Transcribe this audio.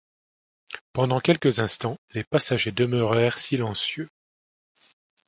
Pendant quelques instants, les passagers demeurèrent silencieux.